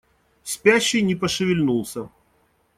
Спящий не пошевельнулся.